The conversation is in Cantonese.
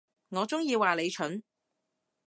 我中意話你蠢